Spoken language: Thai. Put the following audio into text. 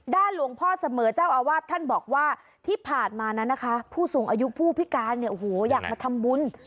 หลวงพ่อเสมอเจ้าอาวาสท่านบอกว่าที่ผ่านมานั้นนะคะผู้สูงอายุผู้พิการเนี่ยโอ้โหอยากมาทำบุญ